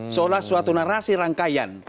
seolah suatu narasi rangkaian